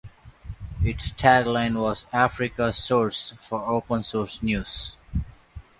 Its tag-line was "Africa's source for open source news".